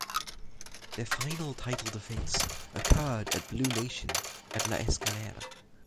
Their final title defense occurred against Blue Nation at "La Escalera".